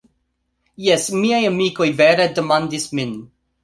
Jes, miaj amikoj vere demandis min